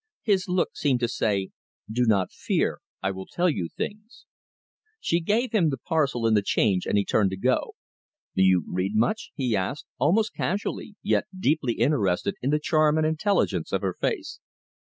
His look seemed to say: "Do not fear. I will tell you things." She gave him the parcel and the change, and he turned to go. "You read much?" he asked, almost casually, yet deeply interested in the charm and intelligence of her face.